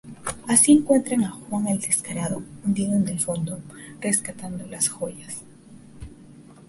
Así encuentran a "Juan el descarado" hundido en el fondo, rescatando las joyas.